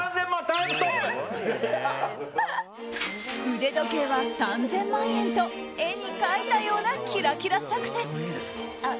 腕時計は３０００万円と絵に描いたようなキラキラサクセス。